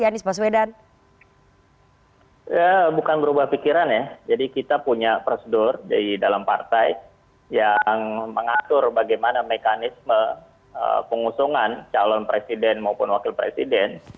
ya bukan berubah pikiran ya jadi kita punya prosedur di dalam partai yang mengatur bagaimana mekanisme pengusungan calon presiden maupun wakil presiden